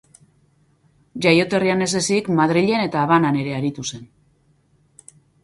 Jaioterrian ez ezik, Madrilen eta Habanan ere aritu zen.